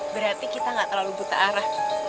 berarti kita nggak terlalu buta arah